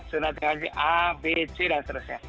zona tinggal di a b c dan seterusnya